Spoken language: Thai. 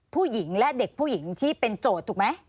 ผู้หญิงและเด็กผู้หญิงที่เป็นโจทย์ถูกไหม